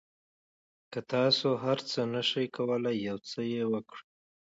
که تاسو هر څه نه شئ کولای یو څه یې وکړئ.